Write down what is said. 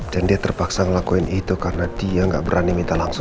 dan dia terpaksa melakukan itu karena dia tidak berani minta lampu